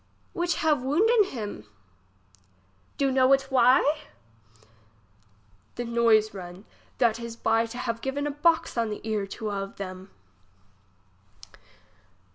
Which have wounden him ? Do know it why ? The noise run that is by to have given a box on the ear to a of them.